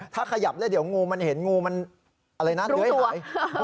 ถ้าขยับเลยเดี๋ยวงูมันเห็นงูมันอะไรนั้นเหลือให้หาย